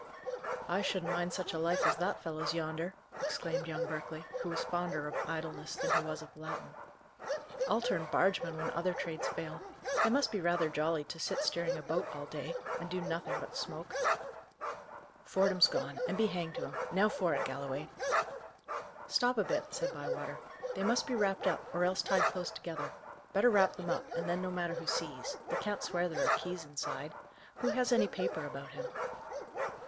"I shouldn't mind such a life as that fellow's yonder!" exclaimed young Berkeley, who was fonder of idleness than he was of Latin. "I'll turn bargeman when other trades fail. It must be rather jolly to sit steering a boat all day, and do nothing but smoke." "Fordham's gone, and be hanged to him! Now for it, Galloway!" "Stop a bit," said Bywater. "They must be wrapped up, or else tied close together. Better wrap them up, and then no matter who sees. They can't swear there are keys inside. Who has any paper about him?"